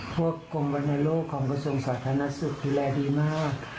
พวกกุมประณะโลกของประสงศ์สภาษฎรีดูแลดีมาก